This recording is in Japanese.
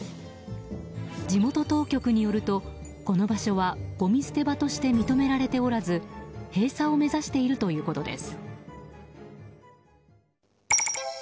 地元当局によるとこの場所は、ごみ捨て場として認められておらず閉鎖を目指しているということです。